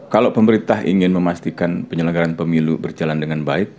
kalau pemerintah ingin memastikan penyelenggaran pemilu berjalan dengan baik